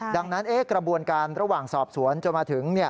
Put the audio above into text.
ดังนั้นกระบวนการระหว่างสอบสวนจนมาถึง